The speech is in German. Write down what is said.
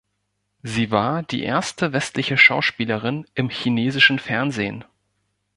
Sie war die erste westliche Schauspielerin im chinesischen Fernsehen.